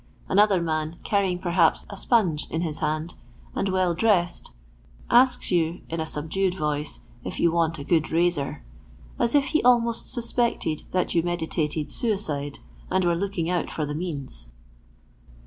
Another man, carrying perhaps a sponge in his hand, and well dressed, asks yon, in a subdued voice, if you want a good razor, as if he almost suspected that you meditated suicide, and were looking out for the means